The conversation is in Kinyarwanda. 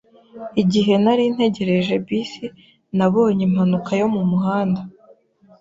Igihe nari ntegereje bisi, nabonye impanuka yo mu muhanda.